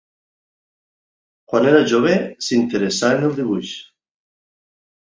Quan era jove, s'interessà en el dibuix.